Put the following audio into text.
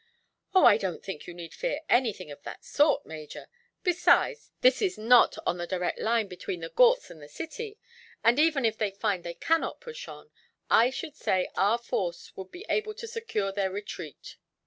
"Oh, I don't think you need fear anything of that sort, Major! Besides, this is not on the direct line between the Ghauts and the city. And even if they find they cannot push on, I should say our force would be able to secure their retreat.